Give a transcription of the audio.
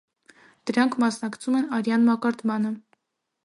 Դրանք մասնակցում են արյան մակարդմանը։